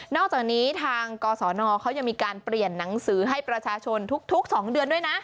อกจากนี้ทางกศนเขายังมีการเปลี่ยนหนังสือให้ประชาชนทุก๒เดือนด้วยนะ